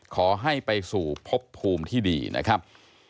ขอให้ไปสู่พบภูมิที่ดีนะครับ